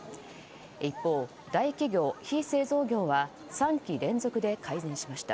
一方、大企業・非製造業は３期連続で改善しました。